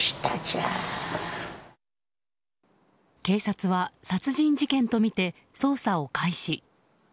警察は殺人事件とみて捜査を開始。